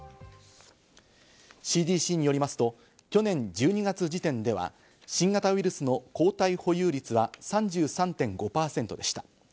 ＣＤＣによりますと、去年１２月時点では新型コロナウイルスの抗体保有率は３３．５％でした。